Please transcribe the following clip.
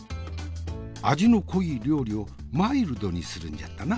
味の濃い料理をマイルドにするんじゃったな。